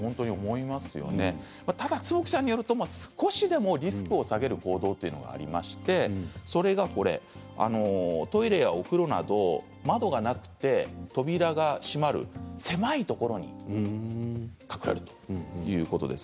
坪木さんによると少しでもリスクを下げる方法がありましてトイレやお風呂など窓がなくて扉が閉まる狭いところに隠れるということです。